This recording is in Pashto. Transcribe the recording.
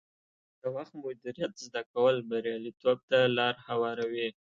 د وخت مدیریت زده کول بریالیتوب ته لار هواروي.